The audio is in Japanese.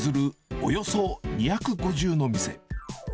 およそ２５０の店。